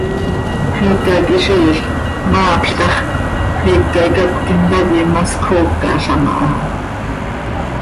Xicaquiziil, maapl tax, xiica icacötim tacoi masfcoocalam aha.